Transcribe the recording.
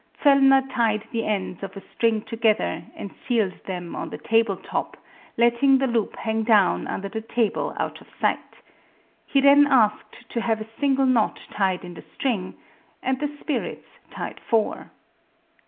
Zollner tied the ends of a string together and sealed them on the table top, letting the loop hang down under the table out of sight. He then asked to have a single knot tied in the string and the spirits tied four.